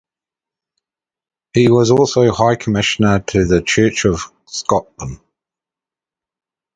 He was also High Commissioner to the Church of Scotland.